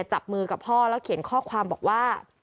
จับมือกับพ่อแล้วเขียนข้อความบอกว่า